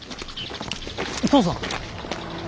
父さん。